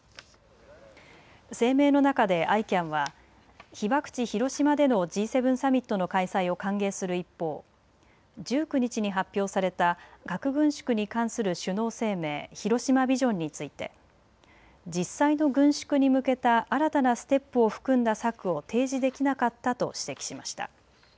声明の中でＩＣＡＮは被爆地、広島でのＧ７サミットの開催を歓迎する一方、１９日に発表された核軍縮に関する首脳声明、広島ビジョンについて実際の軍縮に向けた新たなステップを含んだ策を提示できなかったと指摘しました。